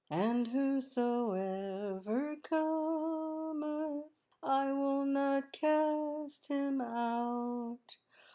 "`And whosoever cometh I will not cast him out.'